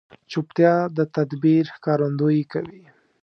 چوپتیا، د تدبیر ښکارندویي کوي.